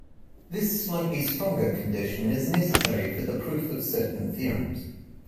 This slightly stronger condition is necessary for the proof of certain theorems.